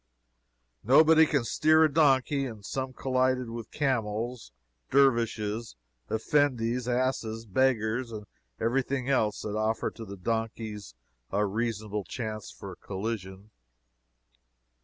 Nobody can steer a donkey, and some collided with camels, dervishes, effendis, asses, beggars and every thing else that offered to the donkeys a reasonable chance for a collision.